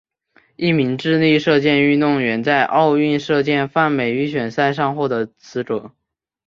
一名智利射箭运动员在奥运射箭泛美预选赛上获得资格。